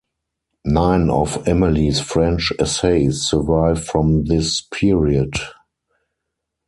Nine of Emily's French essays survive from this period.